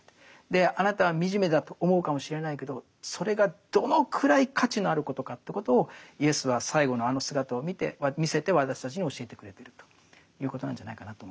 あなたは惨めだと思うかもしれないけどそれがどのくらい価値のあることかということをイエスは最後のあの姿を見て見せて私たちに教えてくれてるということなんじゃないかなと思いますけどね。